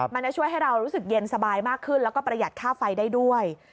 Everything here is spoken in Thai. มันจะช่วยให้เรารู้สึกเย็นสบายมากขึ้นแล้วก็ประหยัดค่าไฟได้ด้วย